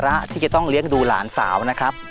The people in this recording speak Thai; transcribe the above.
เพื่อจะไปชิงรางวัลเงินล้าน